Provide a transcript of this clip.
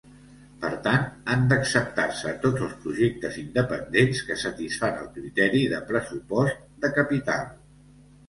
Per tant, han d'acceptar-se tots els projectes independents que satisfan el criteri de pressupost de capital.